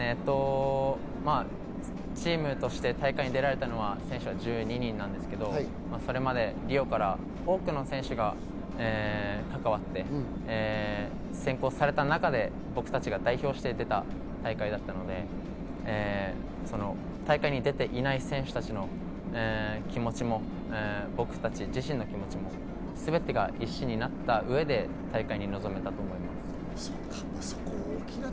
チームとして大会に出られたのは選手は１２人なんですけど、それまでリオから多くの選手が関わって選考された中で僕たちが代表して出た大会だったので、大会に出ていない選手たちの気持ちも僕たち自身の気持ちも全てが一心になった上で大会に臨めたと思います。